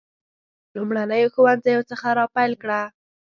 لومړنیو ښوونځیو څخه را پیل کړه.